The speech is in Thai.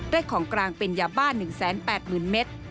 ของกลางเป็นยาบ้า๑๘๐๐๐เมตร